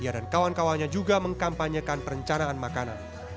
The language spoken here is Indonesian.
ia dan kawan kawannya juga mengkampanyekan perencanaan makanan